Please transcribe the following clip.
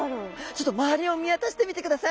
ちょっと周りを見渡してみてください。